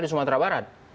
di sumatera barat